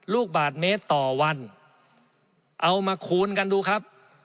ลูกบาทเมตรต่อวันเอามาคูณกันดูครับ